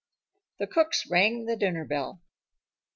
The cooks rang the dinner bell.